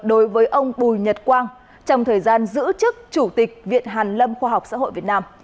đối với ông bùi nhật quang trong thời gian giữ chức chủ tịch viện hàn lâm khoa học xã hội việt nam